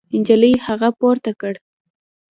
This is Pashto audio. نجلۍ هغه پورته کړ.